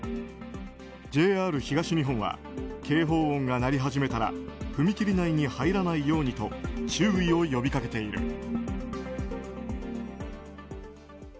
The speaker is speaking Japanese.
ＪＲ東日本は警報音が鳴り始めたら踏切内に入らないようにと注意を呼び掛けている。